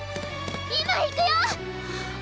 今行くよ！